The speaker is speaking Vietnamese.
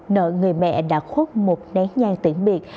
nợ người mẹ đã khuất một nén nhan tiễn biệt